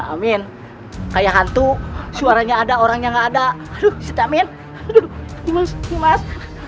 amin kayak hantu suaranya ada orang yang ada aduh stamina aduh emas